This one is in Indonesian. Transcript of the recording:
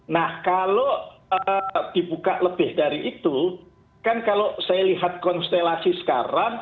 nah kalau dibuka lebih dari itu kan kalau saya lihat konstelasi sekarang